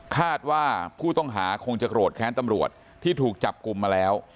คาดว่าผู้ต้องหาคงจะโกรธแค้นตำรวจที่ถูกจับกลุ่มมาแล้ว